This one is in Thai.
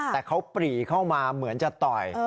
แต่เขาปรีเข้ามาเหมือนจะต่อย